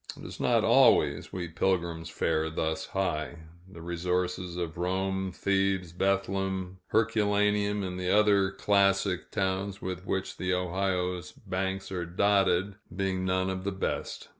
It is not always, we pilgrims fare thus high the resources of Rome, Thebes, Bethlehem, Herculaneum, and the other classic towns with which the Ohio's banks are dotted, being none of the best.